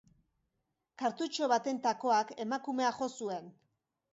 Kartutxo baten takoak emakumea jo zuen.